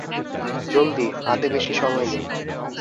জলদি, হাতে বেশি সময় নেই।